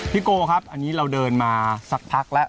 โกครับอันนี้เราเดินมาสักพักแล้ว